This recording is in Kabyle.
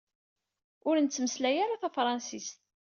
Ur nettmeslay ara tafṛansist.